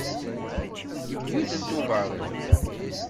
Iwwi-tent uberriḍ.